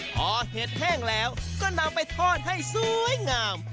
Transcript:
พอเห็ดแห้งแล้วก็นำไปทอดให้สวยงาม